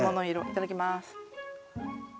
いただきます。